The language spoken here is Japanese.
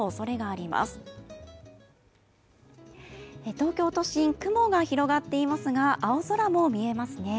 東京都心雲が広がっていますが青空も見えますね。